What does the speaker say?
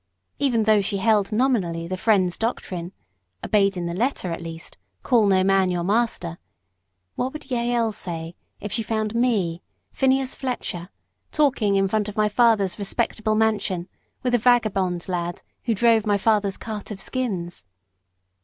even though she held nominally the Friends' doctrine obeyed in the letter at least, 'Call no man your master' what would Jael say if she found me, Phineas Fletcher, talking in front of my father's respectable mansion with the vagabond lad who drove my father's cart of skins?